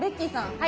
はい。